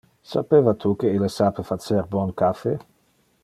Sapeva tu que ille sape facer bon caffe?